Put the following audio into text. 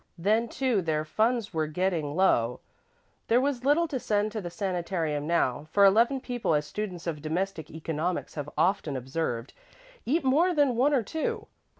Then, too, their funds were getting low. There was little to send to the sanitarium now, for eleven people, as students of domestic economics have often observed, eat more than one or two.